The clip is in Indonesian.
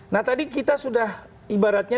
nah tadi kita sudah ibaratnya